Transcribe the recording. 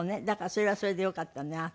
だからそれはそれでよかったのね